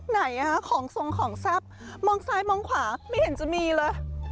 ไหนของทรงของแซ่บมองซ้ายมองขวาไม่เห็นจะมีเลย